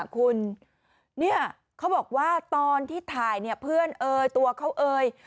คุณเนี่ยเขาบอกว่าตอนที่ถ่ายเนี่ยเพื่อนเอ่ยตัวเขาเอ่ย